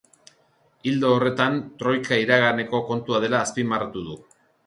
Ildo horretan, troika iraganeko kontua dela azpimarratu du.